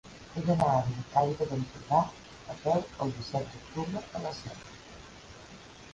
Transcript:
He d'anar a Bellcaire d'Empordà a peu el disset d'octubre a les set.